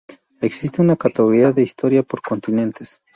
Existe una categoría de historia por continentes